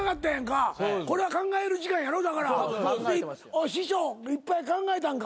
おい師匠いっぱい考えたんか？